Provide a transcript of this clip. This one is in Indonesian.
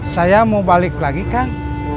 saya mau balik lagi kan